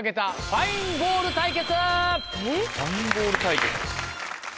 ファイン・ボール対決。